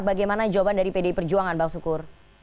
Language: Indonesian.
bagaimana jawaban dari pdi perjuangan bang sukur